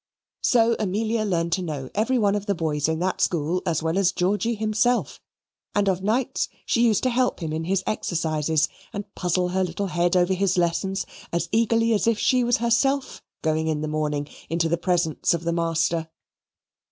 So Amelia learned to know every one of the boys in that school as well as Georgy himself, and of nights she used to help him in his exercises and puzzle her little head over his lessons as eagerly as if she was herself going in the morning into the presence of the master.